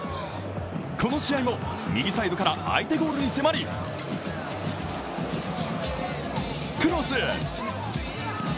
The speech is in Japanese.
この試合も右サイドから相手ゴールに迫りクロス。